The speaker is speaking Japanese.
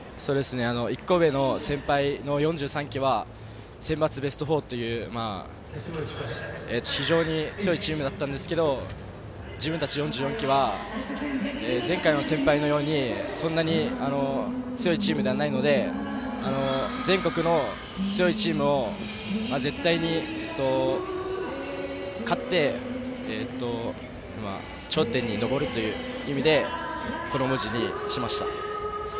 １個上の先輩の４３期はセンバツベスト４という非常に強いチームでしたが自分たち、４４期は前回の先輩のようにそんなに強いチームではないので全国の強いチームに絶対に勝って頂点に上るという意味でこの文字にしました。